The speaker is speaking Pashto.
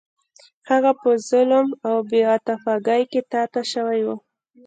هغه په ظلم او بې عاطفګۍ کې تا ته شوی و.